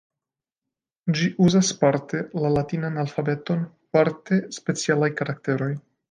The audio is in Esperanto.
Ĝi uzas parte la latinan alfabeton, parte specialaj karakteroj.